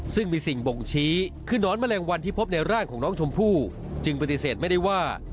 ซึ่งมีสิ่งบ่งชี้คือนอนแมลงวันที่พบในร่างของน้องชมพู่จึงปฏิเสธไม่ได้ว่า